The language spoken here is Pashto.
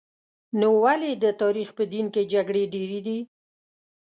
نو ولې د دین په تاریخ کې جګړې ډېرې دي؟